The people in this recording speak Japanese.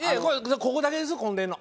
ここだけです混んでるの。